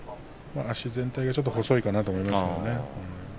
足全体がちょっと細いかなと思います。